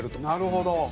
なるほど！